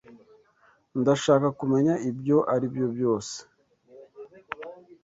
Ndashaka kumenya ibyo aribyo byose.